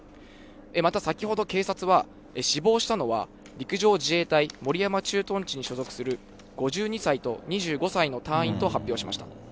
また、先ほど警察は、死亡したのは陸上自衛隊守山駐屯地に所属する５２歳と２５歳の隊員と発表しました。